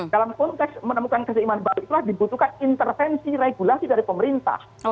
dalam konteks menemukan keseimbangan baik itulah dibutuhkan intervensi regulasi dari pemerintah